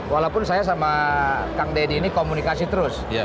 walaupun saya sama kang deddy ini komunikasi terus